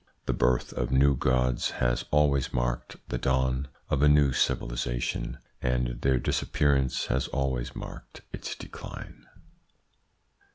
The birth of new gods has always marked the dawn of a new civilisation, and their disappearance has always marked its decline.